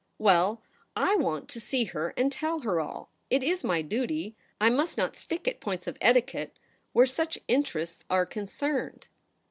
Well, / want to see her, and tell her all. It is my duty. I must not stick at points of etiquette where such interests are concerned.'